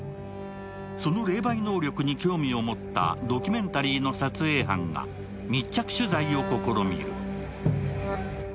その霊媒能力に興味を持ったドキュメンタリーの撮影班が密着取材を試みる。